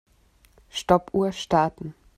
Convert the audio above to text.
Stoppuhr starten.